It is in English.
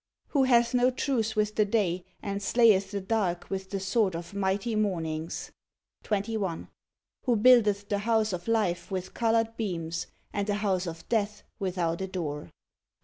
Who hath no truce with the day, and slayeth the dark with the sword of mighty mornings; 21. Who buildeth the house of life with colored beams, and the house of death without a door; 22.